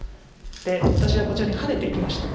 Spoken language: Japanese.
で私はこちらにハネていきました。